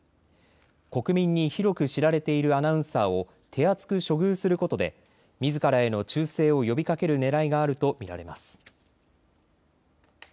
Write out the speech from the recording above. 国民に広く知られているアナウンサーを手厚く処遇することでみずからへの忠誠を呼びかけるねらいがあると見られます。